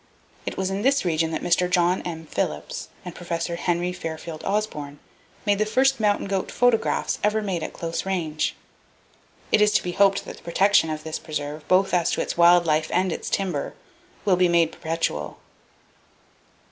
It was in this region that Mr. John M. Phillips and Prof. Henry Fairfield Osborne made the first mountain goat photographs ever made at close range. It is to be hoped that the protection of this preserve, both as to its wild life and its timber, will be made perpetual.